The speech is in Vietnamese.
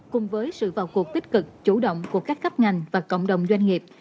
cùng với sự vào cuộc tích cực chủ động của các cấp ngành và cộng đồng doanh nghiệp